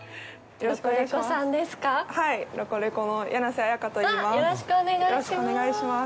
よろしくお願いします。